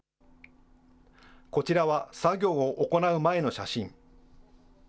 こちらは作業を行う前の写真。